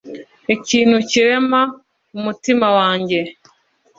ikintu kirema umutima wanjye